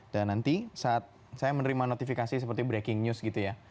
dan nanti saat saya menerima notifikasi seperti breaking news gitu ya